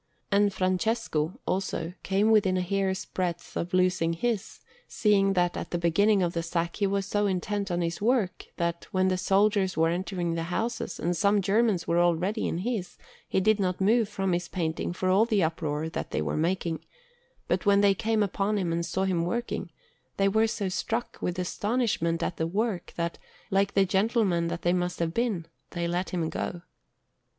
And Francesco, also, came within a hair's breadth of losing his, seeing that at the beginning of the sack he was so intent on his work, that, when the soldiers were entering the houses, and some Germans were already in his, he did not move from his painting for all the uproar that they were making; but when they came upon him and saw him working, they were so struck with astonishment at the work, that, like the gentlemen that they must have been, they let him go on.